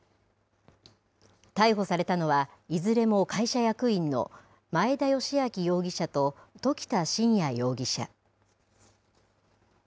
逮捕されたのは、いずれも会社役員の前田由顕容疑者と時田慎也容疑者。